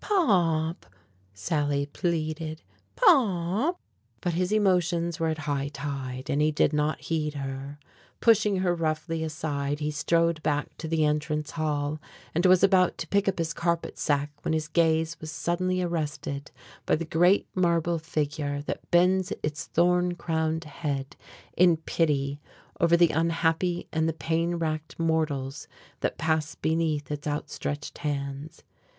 "Pop!" Sally pleaded, "Pop!" But his emotions were at high tide and he did not heed her. Pushing her roughly aside, he strode back to the entrance hall, and was about to pick up his carpet sack when his gaze was suddenly arrested by the great marble figure that bends its thorn crowned head in pity over the unhappy and the pain racked mortals that pass beneath its outstretched hands.